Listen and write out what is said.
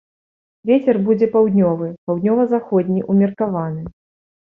Вецер будзе паўднёвы, паўднёва-заходні ўмеркаваны.